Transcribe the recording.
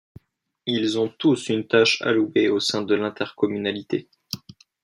Ils ont tous une tâche allouée au sein de l'intercommunalité.